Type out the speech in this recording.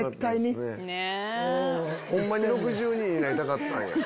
ホンマに６２になりたかったんや！